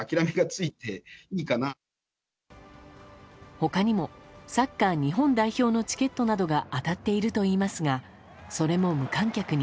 他にもサッカー日本代表のチケットなどが当たっているといいますがそれも無観客に。